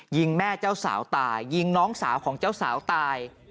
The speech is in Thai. ยิงแม่เจ้าสาวตายยิงน้องสาวของเจ้าสาวตาย